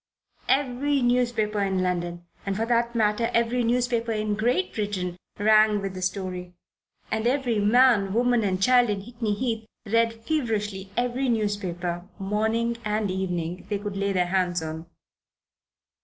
Every newspaper in London and for the matter of that, every newspaper in Great Britain rang with the story, and every man, woman and child in Hickney Heath read feverishly every newspaper, morning and evening, they could lay their hands on.